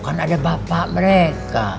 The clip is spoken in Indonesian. kan ada bapak mereka